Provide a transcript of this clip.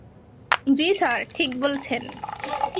জ্বি স্যার, ঠিক বলছেন।